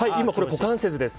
股関節です。